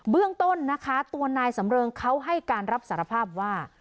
เรื่องต้นนะคะตัวนายสำเริงเขาให้การรับสารภาพว่า